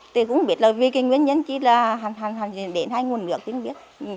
thì cũng biết là vì cái nguyên nhân chỉ là hành hành hành hành đến hai nguồn nước chứ không biết